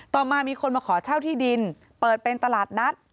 มามีคนมาขอเช่าที่ดินเปิดเป็นตลาดนัด